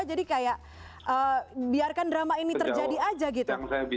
jadi biarkan drama ini terjadi aja gitu